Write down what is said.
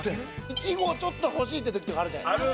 １合ちょっと欲しいって時とかあるじゃないですか。